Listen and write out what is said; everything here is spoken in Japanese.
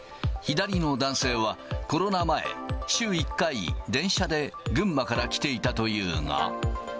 左の男性はコロナ前、週１回、電車で群馬から来ていたというが。